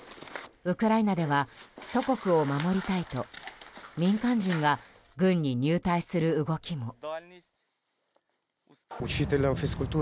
ウクライナでは祖国を守りたいと民間人が軍に入隊する動きも。